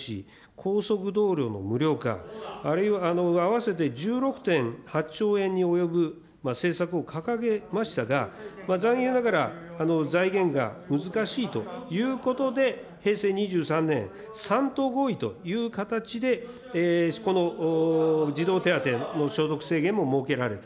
高速道路の無料化、合わせて１６．８兆円に及ぶ政策を掲げましたが、残念ながら財源が難しいということで、平成２３年、３党合意という形で、この児童手当の所得制限も設けられた。